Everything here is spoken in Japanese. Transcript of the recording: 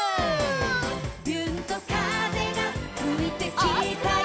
「びゅーんと風がふいてきたよ」